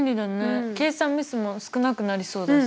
計算ミスも少なくなりそうだし。